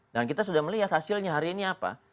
dan kita sudah melihat hasilnya hari ini apa